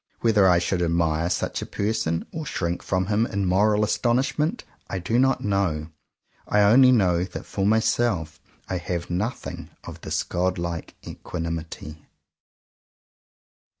Whether I should admire such a person, or shrink from him in moral astonishment, I do not know. I only know that for myself I have nothing of this god like equanimity.